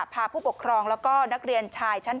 พาผู้ปกครองแล้วก็นักเรียนชายชั้น๘